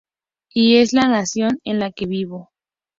Y es la nación en la que vivo.